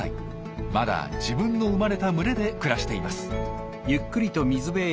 まだ自分の生まれた群れで暮らしています。